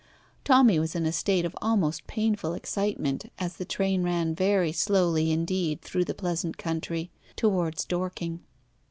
Tommy was in a state of almost painful excitement, as the train ran very slowly indeed through the pleasant country towards Dorking.